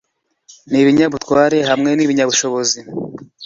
nibinyabutware hamwe nibinyabushobozi